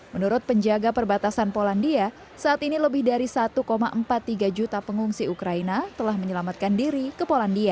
menurut penjaga perbatasan polandia saat ini lebih dari satu empat puluh tiga juta pengungsi ukraina telah menyelamatkan diri ke polandia